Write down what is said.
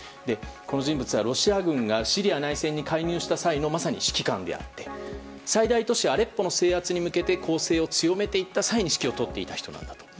この人物はロシア軍がシリア内戦に介入した際の指揮官であって最大都市アレッポの制圧に向けて攻勢を強めていった際に指揮を執っていた人なんだと。